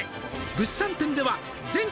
「物産展では全国の」